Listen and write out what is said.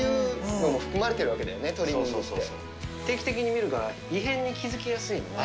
定期的に見るから異変に気付きやすいのね。